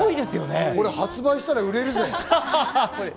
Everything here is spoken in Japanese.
発売したら売れるぜ。